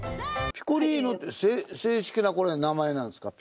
ピコリーノ正式な名前なんですか？